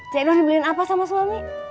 cedo dibeliin apa sama suami